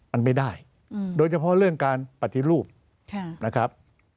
มันไม่ได้โดยเฉพาะเรื่องการปฏิรูปนะครับ